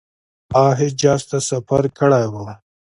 هغه حجاز ته سفر کړی وو.